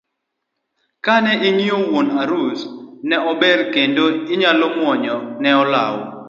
Kane ing'iyo wuon arus ne ober kendo inyalo muonyo ne olaw.